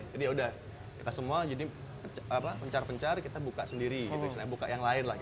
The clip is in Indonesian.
jadi ya udah kita semua pencar pencar kita buka sendiri buka yang lain lah gitu